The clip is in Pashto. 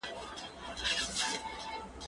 زه مخکي اوبه څښلې وې،